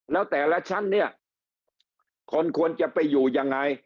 แล้วแต่ละชั้นเนี่ยคนควรจะไปอยู่ยังไง